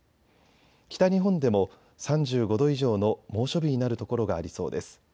北日本でも３５度以上の猛暑日になる所がありそうです。